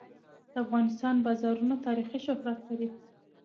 د افغانستان بازارونه تاریخي شهرت لري.